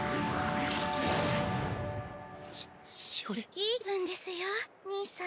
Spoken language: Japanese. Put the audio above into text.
いい気分ですよ兄さん。